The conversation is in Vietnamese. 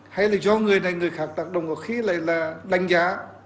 hay là do người này người khác đặc đồng có khi lại là đánh giá